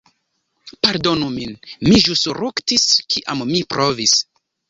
Pardonu min, mi ĵus ruktis kiam mi provis.